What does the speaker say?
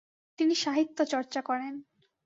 তিনি সাহিত্য চর্চা করেন।